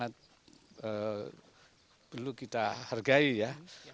sangat perlu kita hargai ya